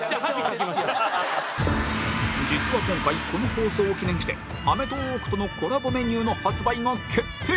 実は今回この放送を記念して『アメトーーク』とのコラボメニューの発売が決定